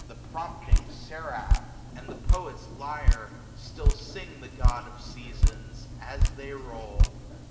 The prompting seraph, and the poet's lyre, Still sing the God of Seasons, as they roll.